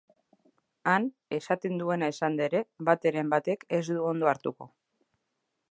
Han, esaten duena esanda ere bateren batek ez du ondo hartuko.